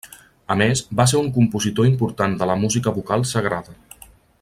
A més, va ser un compositor important de la música vocal sagrada.